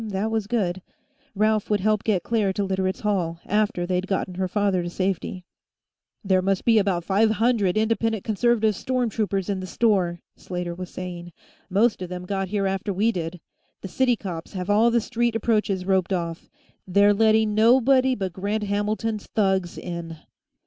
That was good. Ralph would help get Claire to Literates' Hall, after they'd gotten her father to safety. "There must be about five hundred Independent Conservative storm troopers in the store," Slater was saying. "Most of them got here after we did. The city cops have all the street approaches roped off; they're letting nobody but Grant Hamilton's thugs in."